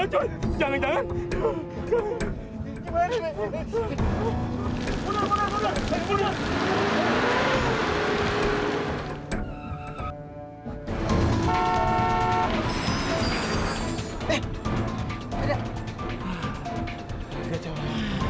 coy tampangnya jernih banget coy